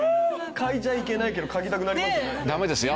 嗅いじゃいけないけど嗅ぎたくなりますね。